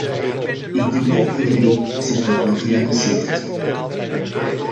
Ik denk dat iedereen zich dat wel realiseert.